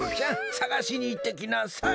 さがしにいってきなさい。